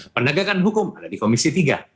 penegakan hukum ada di komisi tiga